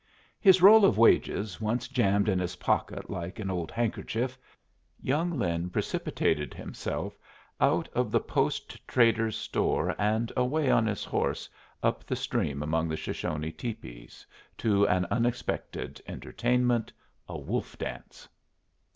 His roll of wages once jammed in his pocket like an old handkerchief, young Lin precipitated himself out of the post trader's store and away on his horse up the stream among the Shoshone tepees to an unexpected entertainment a wolf dance.